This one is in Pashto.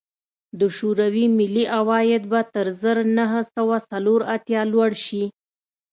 د شوروي ملي عواید به تر زر نه سوه څلور اتیا لوړ شي